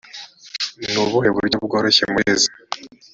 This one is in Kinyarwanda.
ni ubuhe buryo bworoshye murezi